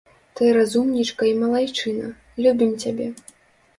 Ты разумнічка і малайчына, любім цябе.